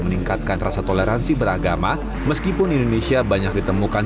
meningkatkan rasa toleransi beragama meskipun indonesia banyak ditemukan